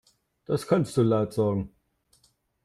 Das kannst du laut sagen.